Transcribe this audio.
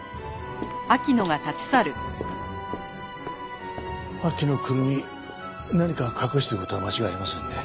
秋野胡桃何か隠してる事は間違いありませんね。